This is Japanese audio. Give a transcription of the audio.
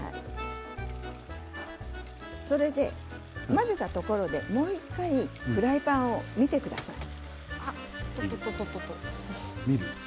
混ぜたところで、もう１回フライパンを見てください。